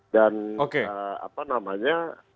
dan apa namanya